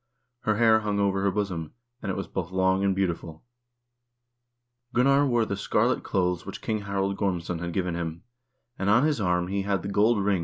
Her hair hung over her bosom, and it was both long and beautiful. Gunnar wore the scarlet clothes which King Harald Gormsson had given him, and on his arm he had the 1 Rig is an Irish word meaning king.